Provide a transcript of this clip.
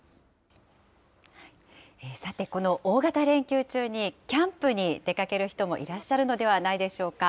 さて、この大型連休中に、キャンプに出かける人もいらっしゃるのではないでしょうか。